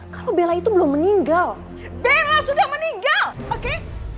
kalau bella itu belum meninggal bella sudah meninggal oke